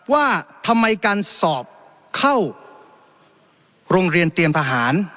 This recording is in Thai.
ว่าทำไมการสอบเข้าโรงเรียนเตรียมทหาร